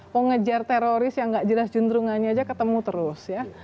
penggejar teroris yang tidak jelas jendrungannya saja ketemu terus